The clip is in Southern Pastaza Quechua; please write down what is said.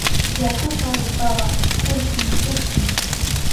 Yakuka rupawa kushni tukun.